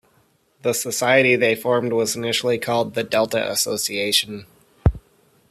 The society they formed was initially called "The Delta Association".